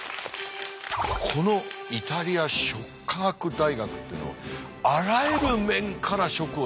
このイタリア食科学大学っていうのはあらゆる面から食を追求していくっていう。